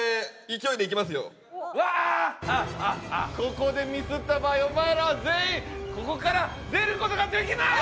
ここでミスった場合お前らは全員ここから出る事ができない！